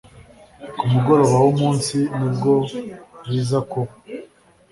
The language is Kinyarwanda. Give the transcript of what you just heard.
Ku mugoroba w'umunsi nibwo biza kuba